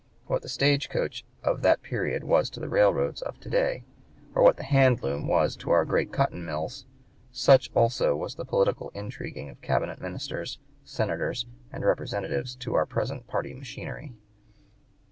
What the stage coach of that period was to the railroads of to day, or what the hand loom was to our great cotton mills, such also was the political intriguing of cabinet ministers, senators, and representatives to our present party machinery.